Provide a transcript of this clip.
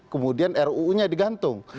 kemudian ruu nya digantung